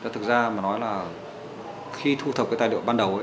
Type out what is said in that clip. thực ra mà nói là khi thu thập cái tài liệu ban đầu ấy